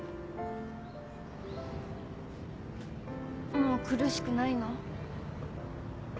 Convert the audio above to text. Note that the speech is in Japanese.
もう苦しくないの？